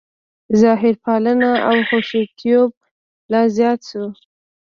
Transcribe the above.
ظاهرپالنه او حشویتوب لا زیات شو.